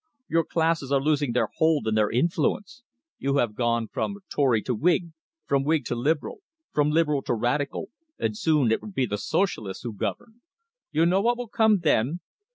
Your classes are losing their hold and their influence. You have gone from Tory to Whig, from Whig to Liberal, from Liberal to Radical, and soon it will be the Socialists who govern. You know what will come then?